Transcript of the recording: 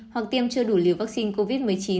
hoặc tiêm chưa đủ liều vaccine covid một mươi chín